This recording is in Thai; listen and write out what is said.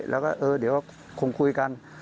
แล้วก็เออเดี๋ยวคงคุยกัน